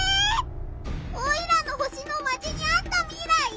オイラの星のマチに合った未来！？